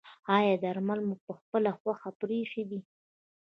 ایا درمل مو پخپله خوښه پریښي دي؟